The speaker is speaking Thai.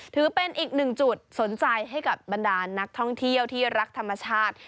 ถือเป็นอีกหนึ่งจุดสนใจให้กับบรรดานักท่องเที่ยวที่รักธรรมชาติ